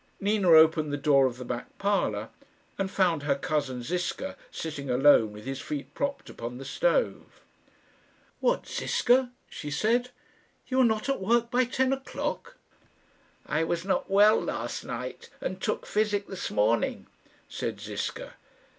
Nina opened the door of the back parlour, and found her cousin Ziska sitting alone with his feet propped upon the stove. "What, Ziska," she said, "you not at work by ten o'clock!" "I was not well last night, and took physic this morning," said Ziska.